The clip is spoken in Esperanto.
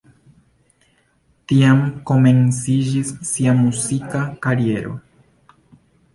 Tiam komenciĝis sia muzika kariero.